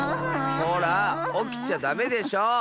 ほらおきちゃダメでしょ！